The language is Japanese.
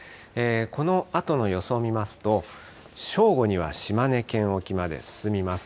このあとの予想を見ますと、正午には島根県沖まで進みます。